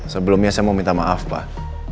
sebelumnya saya mau minta maaf pak